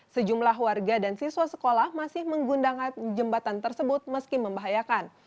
sejumlah warga dan siswa sekolah masih menggundang jembatan tersebut meski membahayakan